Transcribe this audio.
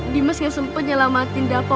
limas gak sempet nyelamatin dapo